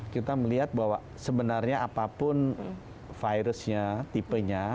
kita melihat bahwa sebenarnya apapun virusnya tipenya